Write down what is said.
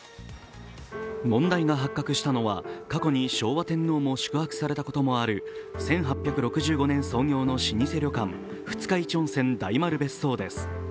問題が発覚したのは過去に昭和天皇も宿泊されたことがある１８６５年創業の老舗旅館二日市温泉・大丸別荘です。